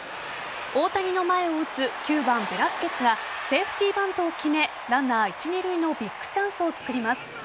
大谷の前を打つ９番・ベラスケスがセーフティーバントを決めランナー一・二塁のビッグチャンスをつくります。